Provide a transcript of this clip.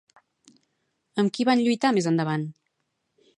Amb qui van lluitar més endavant?